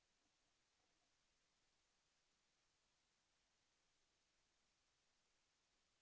เดี๋ยวข้าวหน้าไปแล้วกัน